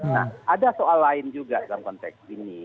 nah ada soal lain juga dalam konteks ini